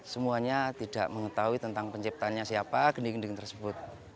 semuanya tidak mengetahui tentang penciptanya siapa gending gending tersebut